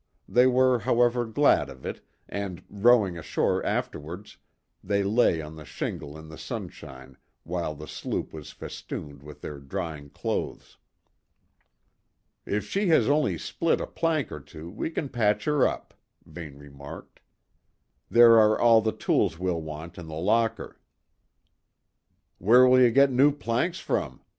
They were, however, glad of it, and, rowing ashore afterwards, they lay on the shingle in the sunshine while the sloop was festooned with their drying clothes. "If she has only split a plank or two we can patch her up," Vane remarked, "There are all the tools we'll want in the locker." "Where will you get new planks from?"